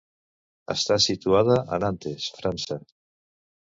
Està situada a Nantes, França.